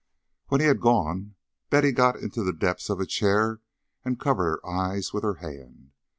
When he had gone, Betty got into the depths of a chair and covered her eyes with her hand.